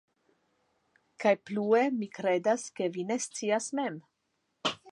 kaj plue mi kredas ke vi ne scias mem.